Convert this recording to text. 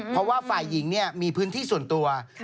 เพราะว่าฝ่ายหญิงมีพื้นที่ส่วนตัว